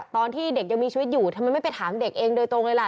ตอนที่เด็กยังมีชีวิตอยู่ทำไมไม่ไปถามเด็กเองโดยตรงเลยล่ะ